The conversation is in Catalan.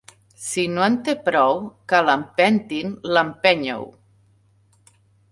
Si no en té prou que l'empentin l'empènyeu.